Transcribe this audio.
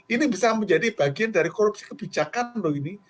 ini bisa menjadi bagian dari korupsi kebijakan loh ini